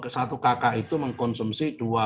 satu kakak itu mengkonsumsi dua puluh empat liter